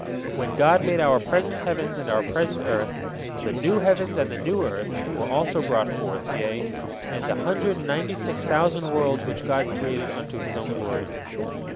When God made our present heavens and our present earth, "the new heavens and the new earth" were also brought forth, yea, and the hundred and ninety six thousand worlds which God created unto His Own glory.